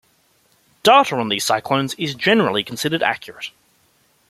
Data on these cyclones is generally considered accurate.